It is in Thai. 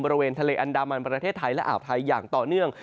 บริเวณทะเลอันดามันประเทศไทยและอ่าวไทยอย่างต่อเนื่อง